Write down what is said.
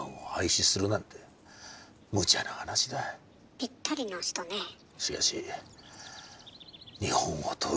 ぴったりの人ねえ。